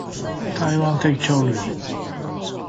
台灣的鳥類